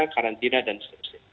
karantina dan seterusnya